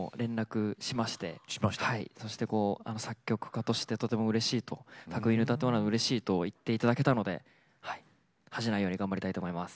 そしてこう作曲家としてとてもうれしいと匠海に歌ってもらうのはうれしいと言っていただけたので恥じないように頑張りたいと思います。